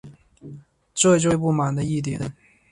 这就是我最不满的一点